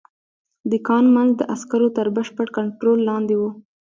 د کان منځ د عسکرو تر بشپړ کنترول لاندې و